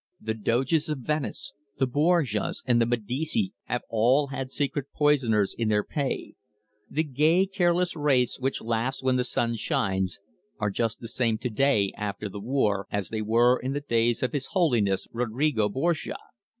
The Doges of Venice, the Borgias, and the Medici have all had secret poisoners in their pay. The gay, careless race which laughs when the sun shines, are just the same to day, after the war, as they were in the days of His Holiness Rodrigo Borgia.